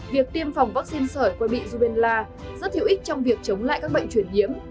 việc tiêm phòng vaccine sởi quai bị rubenla rất thiếu ích trong việc chống lại các bệnh truyền nhiễm